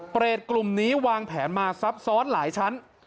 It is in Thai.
กลุ่มนี้วางแผนมาซับซ้อนหลายชั้น